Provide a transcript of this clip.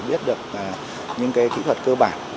biết được những cái kỹ thuật cơ bản